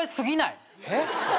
えっ？